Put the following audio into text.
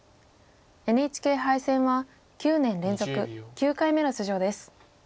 ＮＨＫ杯戦は９年連続９回目の出場です。